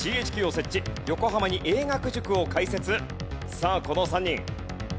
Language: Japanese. さあこの３人。